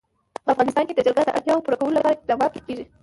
په افغانستان کې د جلګه د اړتیاوو پوره کولو لپاره اقدامات کېږي.